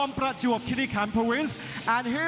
คนนี้มาจากอำเภอบ้านแท่งจังหวัดไชยภูมิ